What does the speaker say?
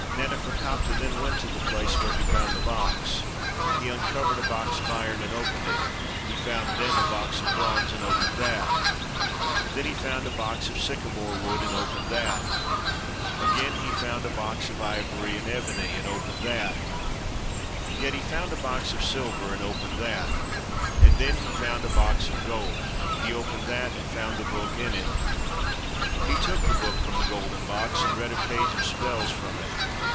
Naneferkaptah then went to the place where he foimd the box. He uncovered a box of iron, and opened it; he found then a box of bronze, and opened that; then he found a box of sycamore wood, and opened that ; again he foimd a box of ivory and ebony, and opened that; yet, he found a box of silver, and opened that; and then he found a box of gold; he opened that, and found the book in it. He took the book from the golden box, and read a page of spells from it.